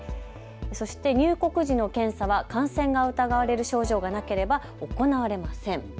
そして入国時の検査は感染が疑われる症状がなければ行われません。